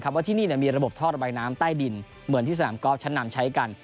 ว่าที่นี่มีระบบท่อระบายน้ำใต้ดินเหมือนที่สนามกอล์ฟชั้นนำใช้กัน